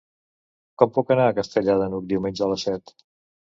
Com puc anar a Castellar de n'Hug diumenge a les set?